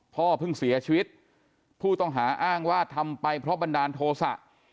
พ่อเพิ่งเสียชีวิตผู้ต้องหาอ้างว่าทำไปเพราะบันดาลโทษะ